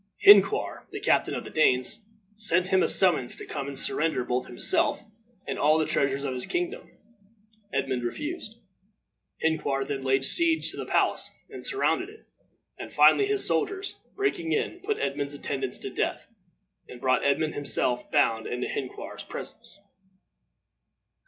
Hinquar, the captain of the Danes, sent him a summons to come and surrender both himself and all the treasures of his kingdom. Edmund refused. Hinquar then laid siege to the palace, and surrounded it; and, finally, his soldiers, breaking in, put Edmund's attendants to death, and brought Edmund himself, bound, into Hinquar's presence.